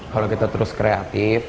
kalau kita terus kreatif